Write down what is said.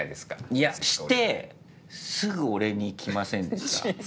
いやしてすぐ俺に来ませんでした？